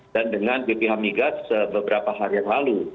dan dengan bph migas beberapa harian lalu